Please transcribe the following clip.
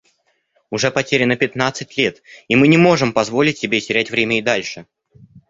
Уже потеряно пятнадцать лет, и мы не можем позволить себе терять время и дальше.